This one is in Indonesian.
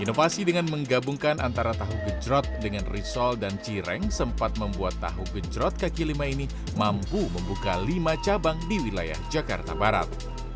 inovasi dengan menggabungkan antara tahu gejrot dengan risol dan cireng sempat membuat tahu gencrot kaki lima ini mampu membuka lima cabang di wilayah jakarta barat